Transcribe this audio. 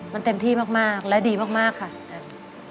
มันเต็มที่มากและดีมากค่ะ